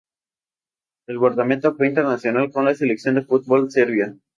El guardameta fue internacional con la selección de fútbol de Serbia.